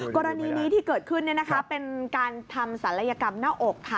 กรณีนี้ที่เกิดขึ้นเป็นการทำสรรพยากรรมเน่าอก